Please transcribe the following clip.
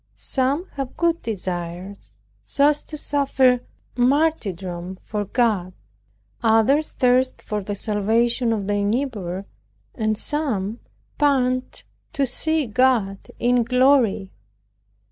Some have good desires, so as to suffer martyrdom for God; others thirst for the salvation of their neighbor, and some pant to see God in glory.